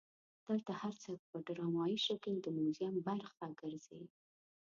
دلته هر څه په ډرامایي شکل د موزیم برخه ګرځي.